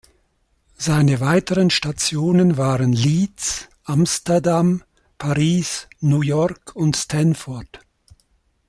Seine weiteren Stationen waren Leeds, Amsterdam, Paris, New York und Stanford.